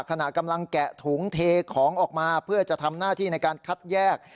ขณะกำลังแกะถุงเทของออกมาเพื่อจะทำหน้าที่ในการคัดแยก